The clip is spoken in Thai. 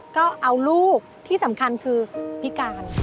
ก็เอาลูกที่สำคัญคือพิการ